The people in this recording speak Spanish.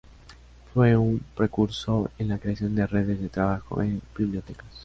Fue un precursor en la creación de redes de trabajo en bibliotecas.